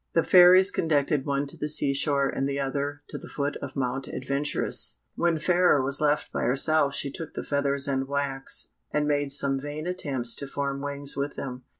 The fairies conducted one to the sea shore and the other to the foot of Mount Adventurous. When Fairer was left by herself she took the feathers and wax, and made some vain attempts to form wings with them.